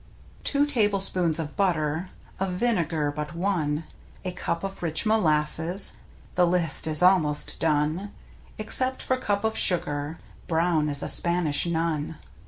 Two tablespoons of butter, Of vinegar but one, A cup of rich molasses — The list is almost done — Except for cup of sugar. Brown as a Spanish nun.